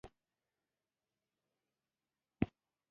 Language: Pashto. زما سترګې له ارادې پرته سره ورتللې او پټې شوې.